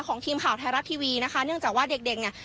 ของทีมข่าวไทยรัฐทีวีนะคะเนื่องจากว่าเด็กเด็กเนี่ย